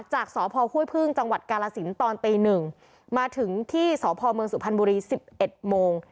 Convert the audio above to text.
จากสอพพ่อพ่วยพึ่งจังหวัดกาลสินตอนตีหนึ่งมาถึงที่สอพพ่อเมืองสุพรรณบุรีสิบเอ็ดโมง